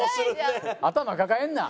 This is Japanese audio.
頭抱えんな！